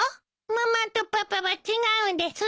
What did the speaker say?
ママとパパは違うです。